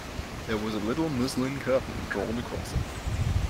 There was a little muslin curtain drawn across it.